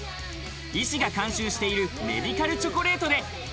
医師が監修しているメディカルチョコレートで。